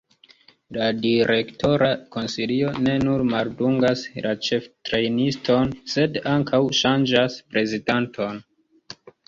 La direktora konsilio ne nur maldungas la ĉeftrejniston, sed ankaŭ ŝanĝas prezidanton.